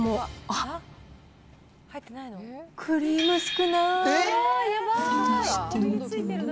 あっ、クリーム少ない。